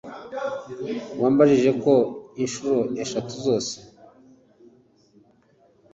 Wambajije ko inshuro eshatu zose